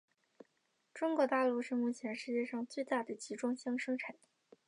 中国大陆是目前世界上最大的集装箱生产地。